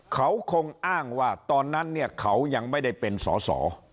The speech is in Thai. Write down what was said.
เขาคงอ้างว่าตอนนั้นเนี่ยเขายังไม่ได้เป็นสอสอ